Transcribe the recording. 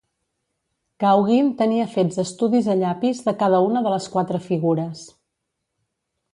Gauguin tenia fets estudis a llapis de cada una de les quatre figures.